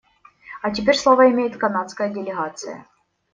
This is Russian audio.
А теперь слово имеет канадская делегация.